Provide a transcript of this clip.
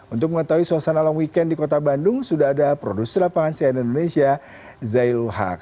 untuk mengetahui suasana long weekend di kota bandung sudah ada produser lapangan cnn indonesia zailu haq